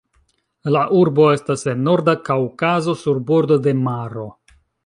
La urbo estas en Norda Kaŭkazo sur bordo de maro.